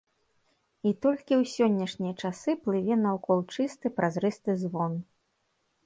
І толькі ў сённяшнія часы плыве наўкол чысты, празрысты звон.